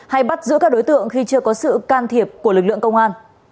hay bắt giữ các đối tượng khi chưa có sự can thiệp của lực lượng công an